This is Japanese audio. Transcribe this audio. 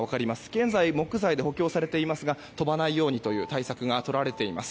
現在木材で補強されていますが飛ばないようにという対策がとられています。